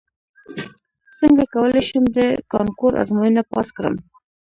څنګه کولی شم د کانکور ازموینه پاس کړم